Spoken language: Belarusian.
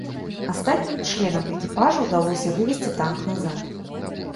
Астатнім членам экіпажа ўдалося вывесці танк назад.